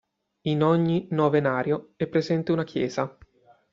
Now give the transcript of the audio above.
In ogni novenario è presente una chiesa.